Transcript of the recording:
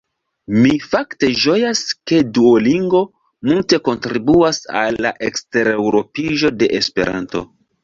Mi fakte ĝojas, ke Duolingo multe kontribuas al la ekstereŭropiĝo de Esperanto.